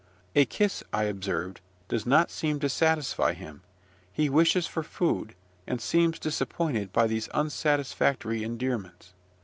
"A kiss," I observed, "does not seem to satisfy him: he wishes for food, and seems disappointed by these unsatisfactory endearments."